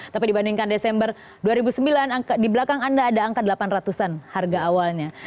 satu sembilan ratus delapan puluh lima tapi dibandingkan desember dua ribu sembilan di belakang anda ada angka delapan ratus an harga awalnya